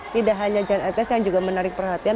tidak hanya janetes yang menarik perhatian